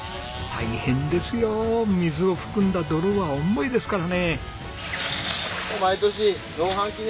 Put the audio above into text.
大変ですよ水を含んだ泥は重いですからね。